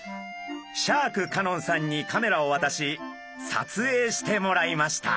シャーク香音さんにカメラをわたし撮影してもらいました。